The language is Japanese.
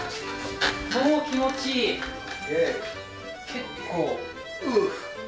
結構。